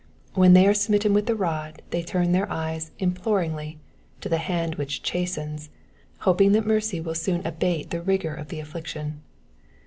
When they are smitten with the rod they turn their eyes imploringly to the hand which chastens, hoping that mercy will soon abate the rigour of the affliction.